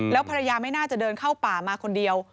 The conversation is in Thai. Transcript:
แล้วภรรยาไม่น่าจะเดินเข้าป่ามาคนเดียว